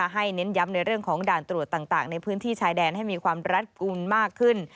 เน้นย้ำในเรื่องของด่านตรวจต่างในพื้นที่ชายแดนให้มีความรัดกลุ่มมากขึ้น